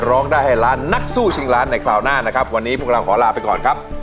ร้องได้ให้ล้านนักสู้ชิงล้านในคราวหน้านะครับ